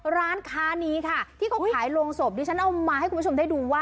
ร้านค้านี้ค่ะที่เขาขายโรงศพดิฉันเอามาให้คุณผู้ชมได้ดูว่า